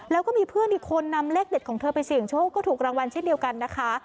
แล้วก็มีเพื่อนอีกคนนำเลขเด็ดของเธอไปเสี่ยงโชคก็ถูกรางวัลเช่นเดียวกันนะคะ